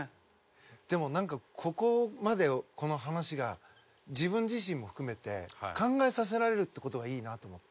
でもここまでこの話が自分自身も含めて考えさせられるって事がいいなと思って。